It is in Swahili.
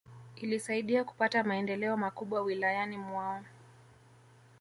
Ilisaidia kupata maendeleo makubwa Wilayani mwao